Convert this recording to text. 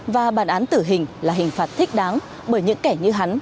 và bản án tử hình là hình phạt thích đáng bởi những kẻ như hắn